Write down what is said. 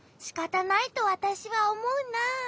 しかたないとわたしはおもうな。